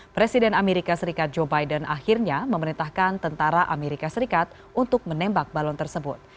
presiden amerika serikat joe biden akhirnya memerintahkan tentara amerika serikat untuk menembak balon tersebut